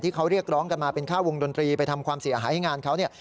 เขาเรียกร้องกันมาเป็นค่าวงดนตรีไปทำความเสียหายให้งานเขาเนี่ย